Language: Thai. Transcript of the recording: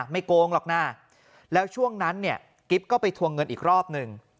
ไม่โกงหรอกนะแล้วช่วงนั้นกิฟต์ก็ไปทวงเงินอีกรอบนึง